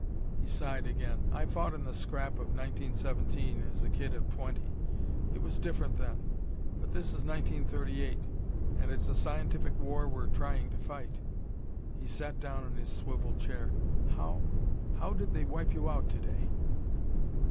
He sighed again. "I fought in the scrap of 1917 as a kid of twenty; it was different then. But this is 1938, and it's a scientific war we're trying to fight." He sat down in his swivel chair. "How how did they wipe you out to day?"